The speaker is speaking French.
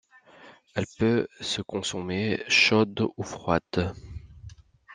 Elle peut se consommer chaude ou froide.